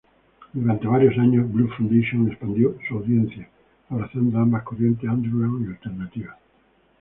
Durante varios años, Blue Foundation expandió su audiencia, abrazando ambas corrientes underground y alternativa.